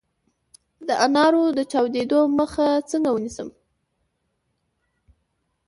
د انارو د چاودیدو مخه څنګه ونیسم؟